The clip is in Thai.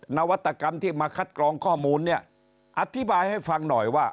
นวัตกรรมที่มาคัดกรองข้อมูลเนี่ยอธิบายให้ฟังหน่อยว่า